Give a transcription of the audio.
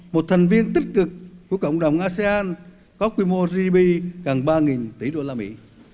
một thành viên tích cực của cộng đồng asean có quy mô gdp gần ba tỷ đô la mỹ